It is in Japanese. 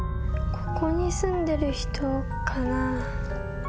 ここに住んでる人かな？